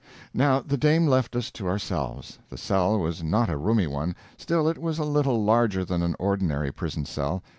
Now the dame left us to ourselves. The cell was not a roomy one; still it was a little larger than an ordinary prison cell.